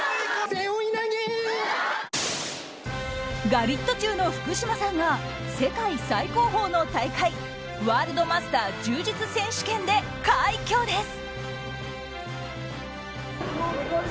ガリットチュウの福島さんが世界最高峰の大会ワールドマスター柔術選手権で快挙です。